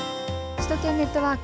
首都圏ネットワーク。